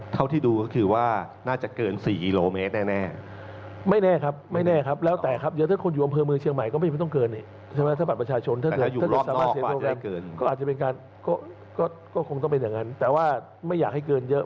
ถ้าอยู่รอบนอกก็อาจจะไม่ให้เกินเยอะ